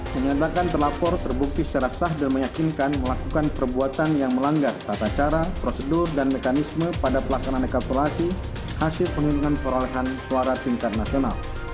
menyatakan terlapor terbukti secara sah dan meyakinkan melakukan perbuatan yang melanggar tata cara prosedur dan mekanisme pada pelaksanaan rekalkulasi hasil penghitungan perolehan suara tingkat nasional